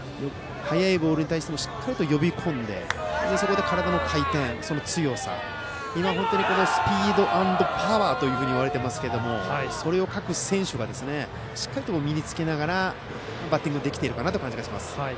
速いボールに対してもしっかり呼び込んで体の回転その強さ、今本当にスピードアンドパワーといわれていますがそれを、各選手がしっかり身につけてバッティングできていると思います。